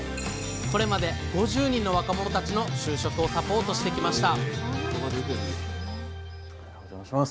これまで５０人の若者たちの就職をサポートしてきましたおじゃまします。